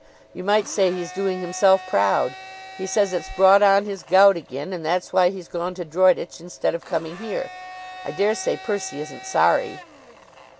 You might say he's doing himself proud. He says it's brought on his gout again, and that's why he's gone to Droitwich instead of coming here. I dare say Percy isn't sorry."